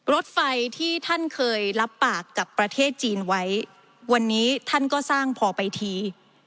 รถไฟที่ท่านเคยรับปากกับประเทศจีนไว้วันนี้ท่านก็สร้างพอไปที